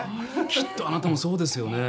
きっとあなたもそうですよね。